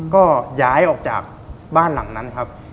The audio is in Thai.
ก็ย้ายออกจากบ้านหลังนั้นครับ